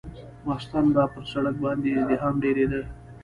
ماخستن به پر سړک باندې ازدحام ډېرېده.